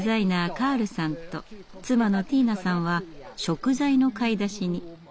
カールさんと妻のティーナさんは食材の買い出しに。